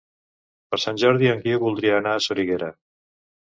Per Sant Jordi en Guiu voldria anar a Soriguera.